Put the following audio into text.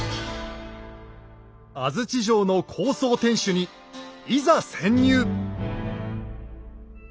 安土城の高層天主にいざ潜入！